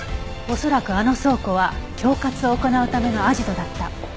恐らくあの倉庫は恐喝を行うためのアジトだった。